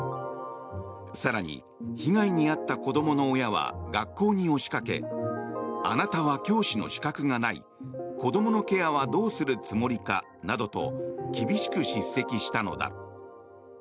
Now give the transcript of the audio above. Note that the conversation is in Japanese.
更に、被害に遭った子どもの親は学校に押しかけあなたは教師の資格がない子どものケアはどうするつもりかなどと厳しく叱責したのだ。